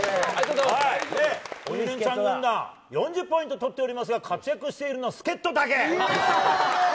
「鬼レンチャン」軍団４０ポイントとっておりますが活躍しているのは助っ人だけ！